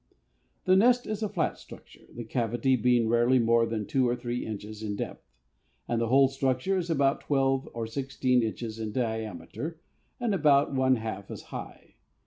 The nest is a flat structure, the cavity being rarely more than two or three inches in depth, and the whole structure is about twelve or sixteen inches in diameter and about one half as high.